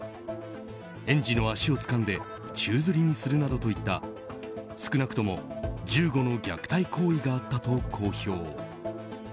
園児の足をつかんで宙づりにするなどといった少なくとも１５の虐待行為があったと公表。